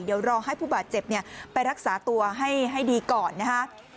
เดี๋ยวรอให้ผู้บาดเจ็บไปรักษาตัวให้ดีก่อนนะฮะ